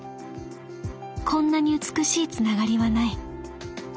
こんなに美しい繋がりはない。